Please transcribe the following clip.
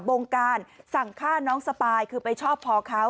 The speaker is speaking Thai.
วงการสั่งฆ่าน้องสปายคือไปชอบพอเขา